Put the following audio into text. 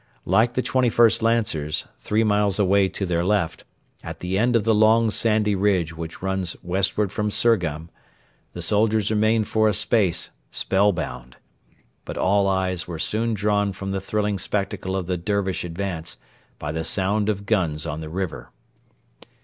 Like the 21st Lancers three miles away to their left, at the end of the long sandy ridge which runs westward from Surgham the soldiers remained for a space spell bound. But all eyes were soon drawn from the thrilling spectacle of the Dervish advance by the sound of guns on the river.